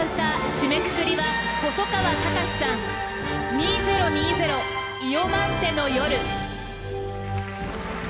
締めくくりは細川たかしさん「２０２０イヨマンテの夜」。